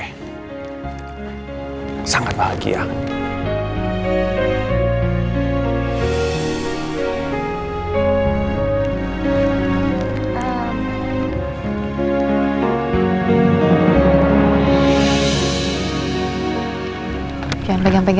hari ini merupakan hari yang paling bahagia buat gue